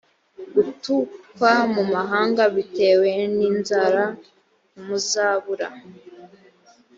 gutukwa mu mahanga bitewe n inzara ntimuzabura